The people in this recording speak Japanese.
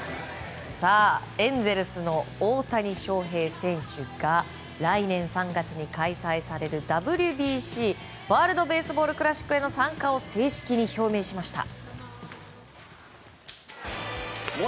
エンゼルスの大谷翔平選手が来年３月に開催されるＷＢＣ・ワールド・ベースボール・クラシックへの参加を正式に表明しました。